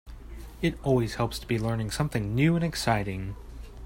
It always helps to be learning something new and exciting.